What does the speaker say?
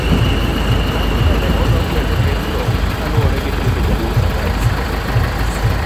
kata kane odwa kwedo kend no kaluwore gi timbe jaduong' Sakaja